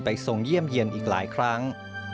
ทรงเยี่ยมเยี่ยนอีกหลายครั้ง